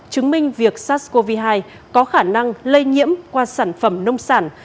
chứng minh việc sars cov hai có khả năng lây nhiễm qua sản phẩm nông sản